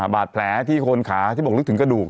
บาดแผลที่โคนขาที่บอกลึกถึงกระดูก